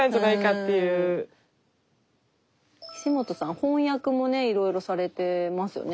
翻訳もねいろいろされてますよね。